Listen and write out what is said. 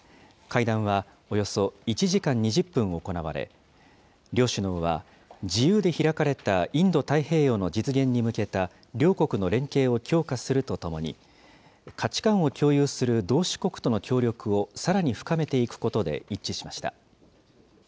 会談はおよそ１時間２０分行われ、両首脳は、自由で開かれたインド太平洋の実現に向けた両国の連携を強化するとともに、価値観を共有する同志国との協力をさらに深めていくことで一致しました。